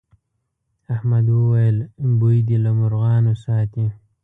احمد وويل: بوی دې له مرغانو ساتي.